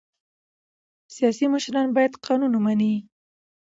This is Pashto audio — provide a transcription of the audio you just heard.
سیاسي مشران باید قانون ومني